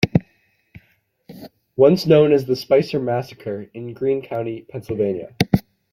One known as the Spicer Massacre in Greene County, Pennsylvania.